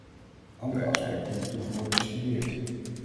Andere aspecten moeten nog worden bestudeerd.